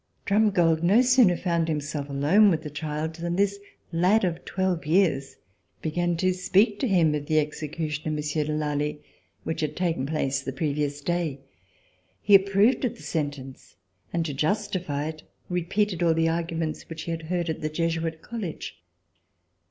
Drumgold no sooner found himself alone with the child than this lad of twelve years began to speak to him of the execution of Monsieur de Lally which had taken place the previous day. He approved of the sentence, and, to justify it, repeated all the arguments which he had heard at the Jesuit College.